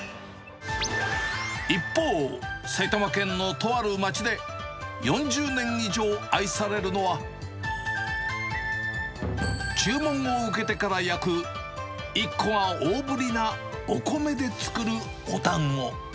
一方、埼玉県のとある街で、４０年以上愛されるのは、注文を受けてから焼く、１個が大ぶりな、お米で作るおだんご。